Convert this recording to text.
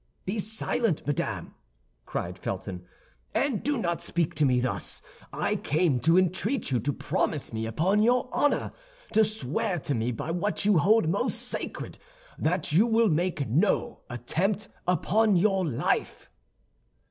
"Be silent, madame," cried Felton, "and do not speak to me thus; I came to entreat you to promise me upon your honor, to swear to me by what you hold most sacred, that you will make no attempt upon your life."